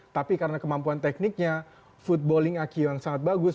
tapi karena kemampuan tekniknya footballing aki yang sangat bagus